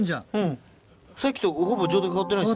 さっきとほぼ状態変わってないですね。